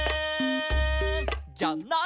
「じゃない」